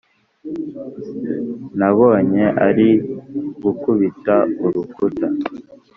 nabonye ari gukubita urukuta.